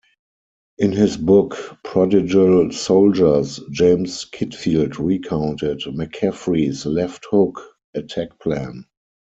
In his book "Prodigal Soldiers," James Kitfield recounted McCaffrey's "left hook" attack plan.